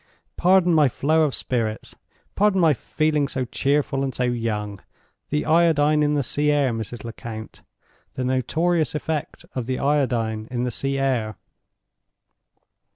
Pardon my flow of spirits; pardon my feeling so cheerful and so young. The Iodine in the sea air, Mrs. Lecount—the notorious effect of the Iodine in the sea air!"